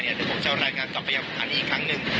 เดี๋ยวผมจะเอารายงานกลับไปอย่างอันนี้อีกครั้งหนึ่ง